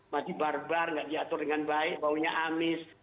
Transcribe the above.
masih barbar nggak diatur dengan baik baunya amis